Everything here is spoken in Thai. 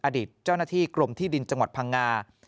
อดีตเจ้าหน้าที่กรมที่ดินจังหวัดพังงา